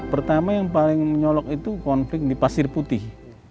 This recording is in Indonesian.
pertama yang paling menyolok itu konflik di pasir putih